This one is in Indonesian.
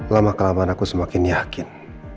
lama kelamaan aku semakin yakin